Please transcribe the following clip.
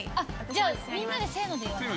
じゃあみんなでせので言わない？